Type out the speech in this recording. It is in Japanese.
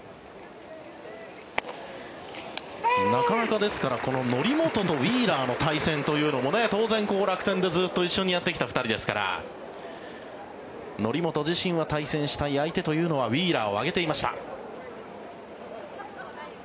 なかなか、ですから則本とウィーラーの対戦というのも当然、楽天でずっと一緒にやってきた２人ですから則本自身は対戦したい相手というのはウィーラーを挙げていました。